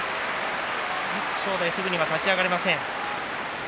正代、すぐには立ち上がれません。